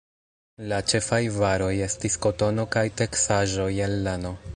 La ĉefaj varoj estis kotono kaj teksaĵoj el lano.